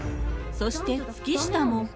そして月下も。